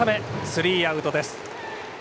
スリーアウトです。